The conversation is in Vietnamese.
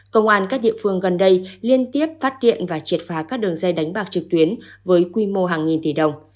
công an các địa phương gần đây liên tiếp phát hiện và triệt phá các đường dây đánh bạc trực tuyến với quy mô hàng nghìn tỷ đồng